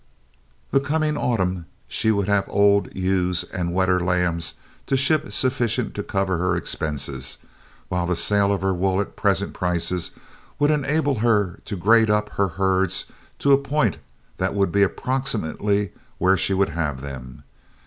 The coming autumn she would have old ewes and wether lambs to ship sufficient to cover her expenses, while the sale of her wool at present prices would enable her to grade up her herds to a point that would be approximately where she would have them.